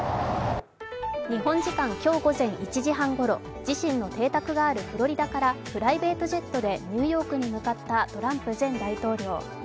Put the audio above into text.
日本時間今日午前１時半ごろ、自身の邸宅があるフロリダからプライベートジェットでニューヨークに向かったトランプ前大統領。